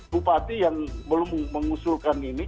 bupati yang belum mengusulkan ini